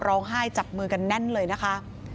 ร้องไห้จับมือกันแน่นเลยนะคะ